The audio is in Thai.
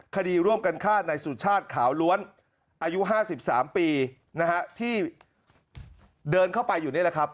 คดีร่วมกันฆ่าในสุชาติขาวล้วนอายุ๕๓ปีนะฮะที่เดินเข้าไปอยู่นี่แหละครับ